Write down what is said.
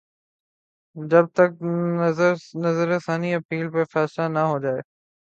جب تک کہ نظر ثانی اپیل پہ فیصلہ نہ ہوجائے۔